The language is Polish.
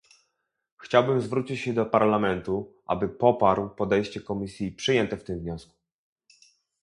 Chciałbym zwrócić się do Parlamentu, aby poparł podejście Komisji przyjęte w tym wniosku